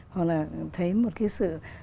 hoặc là thấy một cái sự